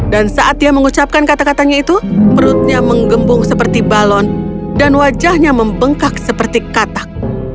dan saat dia mengucapkan kata katanya itu perutnya menggembung seperti balon dan wajahnya membengkak seperti katak